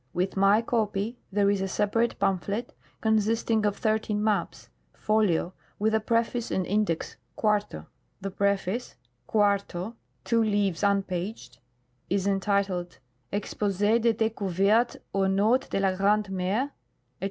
With my copy there is a separate pamphlet, consisting of 13 majDS, folio, with a preface and index, quarto. The preface (4°, two leaves unpaged) is entitled :" Expose des Decouvertes au Nord de la Grande Mer, etc.